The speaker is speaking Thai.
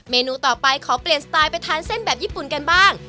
นูต่อไปขอเปลี่ยนสไตล์ไปทานเส้นแบบญี่ปุ่นกันบ้าง